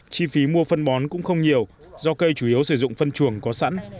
chi phí mua phân bón cũng không nhiều do cây chủ yếu sử dụng phân chuồng có sẵn